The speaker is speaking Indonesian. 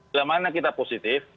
dalam hal yang positif